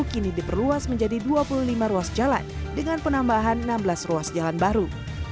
kini diperluas menjadi dua puluh lima ruas jalan dengan penambahan enam belas ruas jalan baru